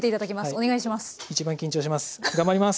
お願いします。